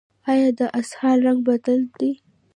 ایا د اسهال رنګ بدل دی؟